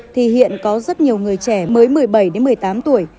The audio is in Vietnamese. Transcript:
thì hiện có rất nhiều người trẻ mới một mươi bảy một mươi tám tuổi